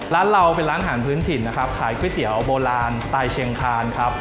ร้านเราเป็นร้านอาหารพื้นถิ่นนะครับขายก๋วยเตี๋ยวโบราณสไตล์เชียงคานครับ